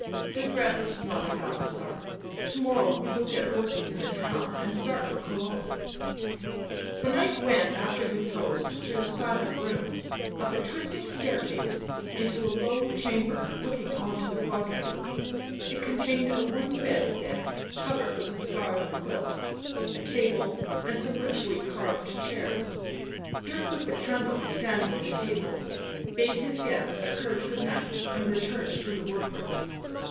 " Good rest," nodded Balthasar. " To morrow we will get horses in the town and start for Cologne." Tne Knight went after his host through the silent rooms, up a twisting staircase into a low chamber look ing on to the quadrangle. It contained a wooden bed stead covered with a scarlet quilt, a table, and some richly carved chairs ; Dirk lit the candles standing on the table, bade his guest a curt good night and returned to the work room.